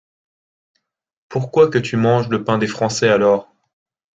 Pourquoi que tu manges le pain des Français, alors?